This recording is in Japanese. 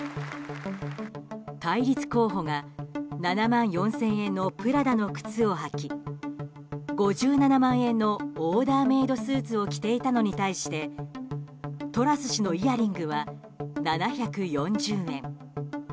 対立候補が７万４０００円のプラダの靴を履き、５７万円のオーダーメイドスーツを着ていたのに対してトラス氏のイヤリングは７４０円。